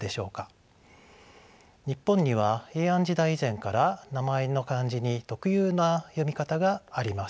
日本には平安時代以前から名前の漢字に特有な読み方があります。